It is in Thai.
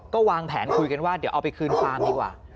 ก็วางแผนคุยกันว่าเดี๋ยวเอาไปคืนฟาร์มดีกว่า